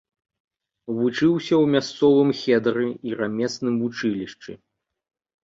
Вучыўся ў мясцовым хедары і рамесным вучылішчы.